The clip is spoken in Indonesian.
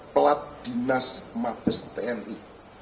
pelat dinas mabes tni